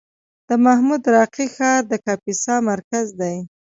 د محمود راقي ښار د کاپیسا مرکز دی